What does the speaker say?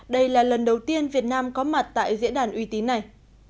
đây là lần đầu tiên việt nam có mặt tại diễn đàn uy tín này